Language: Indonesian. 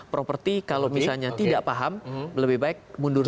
property kalau misalnya tidak paham lebih baik mundurin